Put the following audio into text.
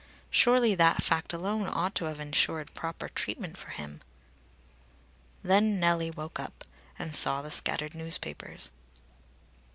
Surely that fact alone ought to have ensured proper treatment for him! Then Nellie woke up, and saw the scattered newspapers.